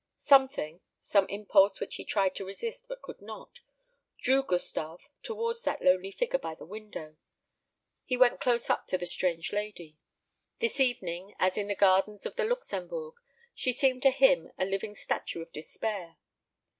Something some impulse which he tried to resist, but could not drew Gustave towards that lonely figure by the window. He went close up to the strange lady. This evening, as in the gardens of the Luxembourg, she seemed to him a living statue of despair.